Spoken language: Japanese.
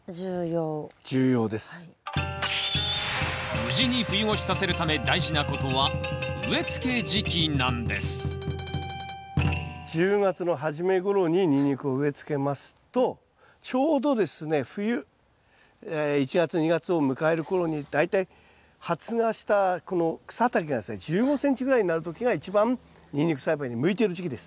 無事に冬越しさせるため大事なことは植えつけ時期なんです１０月の初めごろにニンニクを植えつけますとちょうどですね冬１月２月を迎える頃に大体発芽したこの草丈がですね１５ｃｍぐらいになる時が一番ニンニク栽培に向いている時期です。